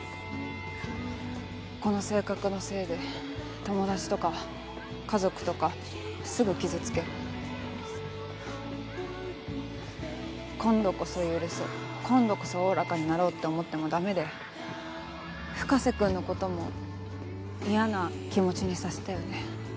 この性格のせいで友達とか家族とかすぐ傷つける今度こそ許そう今度こそおおらかになろうって思ってもダメで深瀬君のことも嫌な気持ちにさせたよね